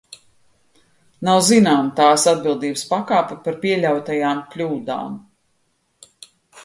Nav zināma tās atbildības pakāpe par pieļautajām kļūdām.